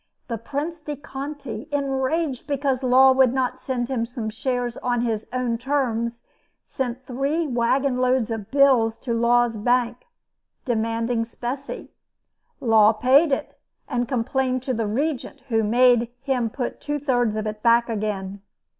The Prince de Conti, enraged because Law would not send him some shares on his own terms, sent three wagon loads of bills to Law's bank, demanding specie. Law paid it, and complained to the Regent, who made him put two thirds of it back again.